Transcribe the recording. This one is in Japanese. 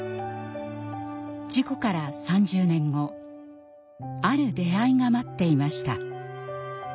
事故から３０年後ある出会いが待っていました。